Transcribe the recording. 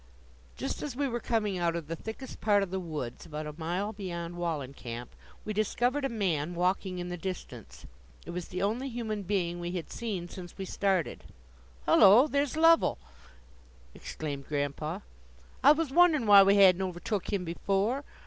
Just as we were coming out of the thickest part of the woods, about a mile beyond Wallencamp, we discovered a man walking in the distance. It was the only human being we had seen since we started. "Hullo, there's Lovell!" exclaimed Grandpa. "I was wonderin' why we hadn't overtook him before.